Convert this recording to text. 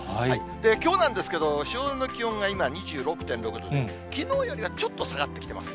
きょうなんですけど、汐留の気温が今２６．６度、きのうよりはちょっと下がってきてます。